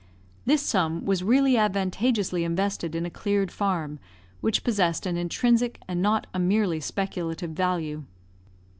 This sum was really advantageously invested in a cleared farm, which possessed an intrinsic and not a merely speculative value.